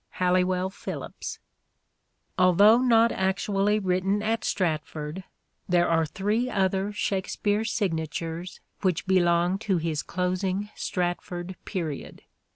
(Halliwell Phillipps). other Although not actually written at Stratford there •ijnatures. are three other Shakspere signatures which belong to his closing Stratford period.